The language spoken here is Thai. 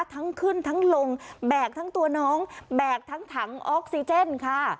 ทั้งขึ้นทั้งลงแบกทั้งตัวน้องแบกทั้งถังออกซิเจนค่ะ